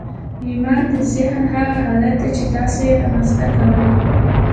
ايمان د ذهن هغه حالت دی چې تاسې يې رامنځته کوئ.